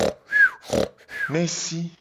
Nesi.